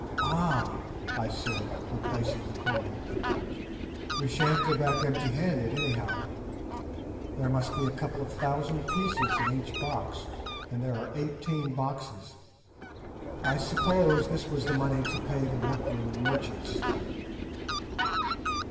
"Ah!" I said, replacing the coin, "we shan't go back empty handed, anyhow. There must be a couple of thousand pieces in each box, and there are eighteen boxes. I suppose this was the money to pay the workmen and merchants."